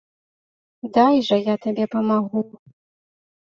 Дай жа я табе памагу.